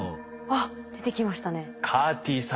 あっ出てきましたね。